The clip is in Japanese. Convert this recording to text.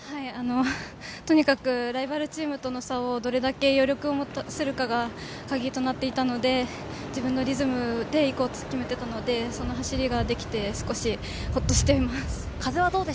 とにかくライバルチームとの差を、どれだけ余力を持たせるかがカギとなっていましたので、自分のリズムでいこうと決めていたので、その走りができて少し、ほっとしています。